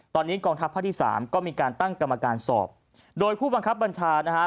ตอนนี้กองทัพภาคที่สามก็มีการตั้งกรรมการสอบโดยผู้บังคับบัญชานะฮะ